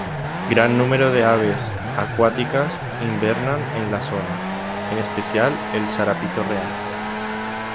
Gran número de aves acuáticas invernan en la zona, en especial el zarapito real.